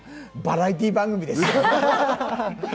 バラエティー番組です。